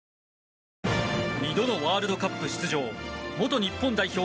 ２度のワールドカップ出場元日本代表